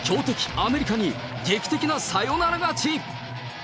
アメリカに、劇的なサヨナラ勝ち。